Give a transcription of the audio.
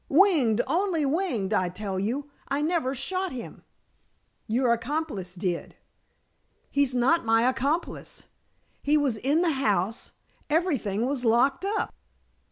"Winged only winged, I tell you. I never shot him." "Your accomplice did." "He's not my accomplice. He was in the house everything was locked up."